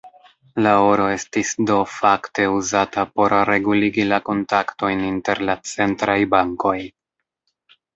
La oro estis do fakte uzata por reguligi la kontaktojn inter la centraj bankoj.